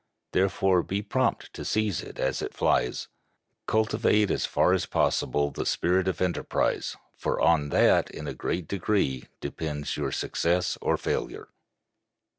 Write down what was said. Therefore, be prompt to seize it as it flies. Cultivate as far as possible the spirit of enterprise, for on that in a great degree depends your success or failure.